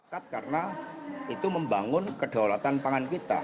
karena itu membangun kedaulatan pangan kita